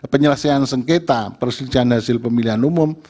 penyelesaian sengketa persetujuan hasil pemilihan umum